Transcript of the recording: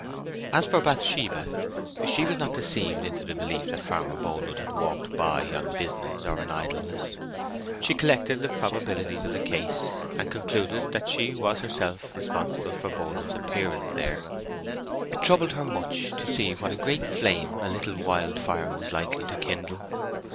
As for Bathsheba, she was not deceived into the belief that Farmer Boldwood had walked by on business or in idleness. She collected the probabilities of the case, and concluded that she was herself responsible for Boldwood's appearance there. It troubled her much to see what a great flame a little wildfire was likely to kindle.